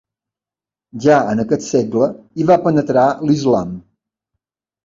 Ja en aquest segle hi va penetrar l'islam.